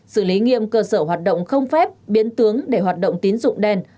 xử lý nghiêm cơ sở hoạt động không phép biến tướng để hoạt động tín dụng đen